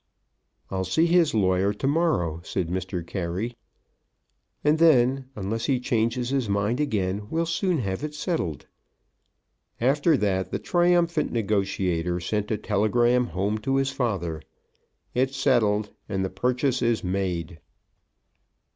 "I'll see his lawyer to morrow," said Mr. Carey, "and then, unless he changes his mind again, we'll soon have it settled." After that the triumphant negotiator sent a telegram home to his father, "It is settled, and the purchase is made."